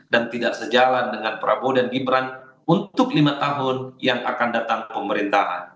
dan tidak sejalan dengan prabowo dan gibran untuk lima tahun yang akan datang pemerintahan